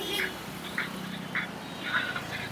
که ښاروالي نوي څاه ګان ونه کیني، نو د اوبو سطحه نه ټیټیږي.